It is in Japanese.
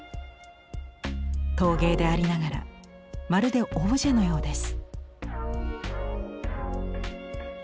陶芸でありながらまるでオブジェのようです。